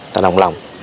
và đồng lòng